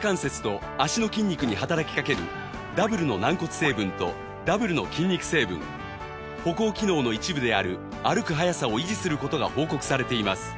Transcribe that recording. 関節と脚の筋肉に働きかけるダブルの軟骨成分とダブルの筋肉成分歩行機能の一部である歩く早さを維持する事が報告されています